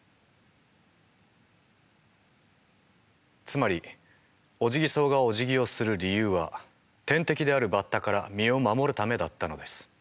つまりオジギソウがおじぎをする理由は天敵であるバッタから身を守るためだったのです。